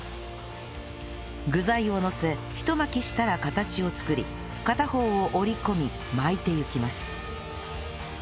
具材をのせひと巻きしたら形を作り片方を折り込み巻いていきます